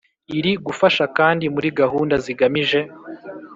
iri gufasha kandi muri gahunda zigamije